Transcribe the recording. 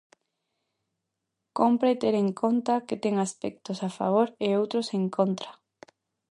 Cómpre ter en conta que ten aspectos a favor e outros en contra.